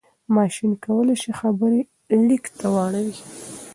ماشين کولای شي خبرې ليک ته واړوي.